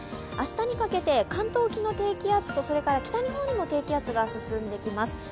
明日にかけて関東沖の低気圧とそれから北日本の低気圧が進んできます。